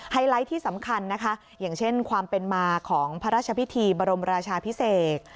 ไลท์ที่สำคัญนะคะอย่างเช่นความเป็นมาของพระราชพิธีบรมราชาพิเศษ